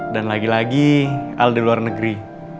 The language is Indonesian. dan lagi lagi al di luar negeri